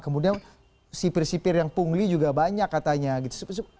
kemudian sipir sipir yang pungli juga banyak katanya gitu